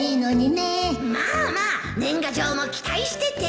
まあまあ年賀状も期待してて